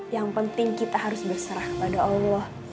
yang penting kita harus berserah pada allah